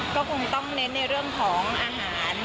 ก็คงต้องเน้นในเรื่องของอาหาร